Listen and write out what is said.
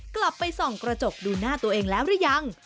กลับไปส่องกระจกดูหน้าตัวเองแล้วหรือยัง